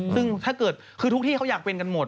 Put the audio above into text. ซึ่งถ้าเกิดคือทุกที่เขาอยากเป็นกันหมด